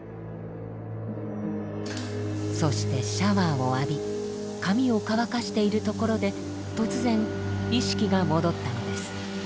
そしてシャワーを浴び髪を乾かしているところで突然意識が戻ったのです。